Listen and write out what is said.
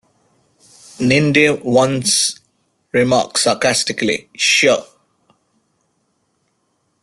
Ninde once remarks sarcastically, Sure!